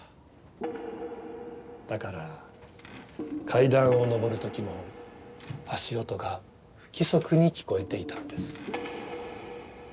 だから階段を上る時も足音が不規則に聞こえていたんです。